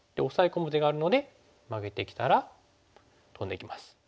込む手があるのでマゲてきたらトンでいきます。